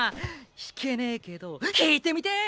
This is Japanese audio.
弾けねぇけど弾いてみてぇ。